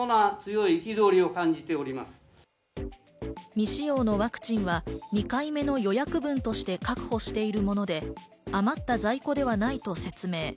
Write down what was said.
未使用のワクチンは２回目の予約分として確保しているもので、余った在庫ではないと説明。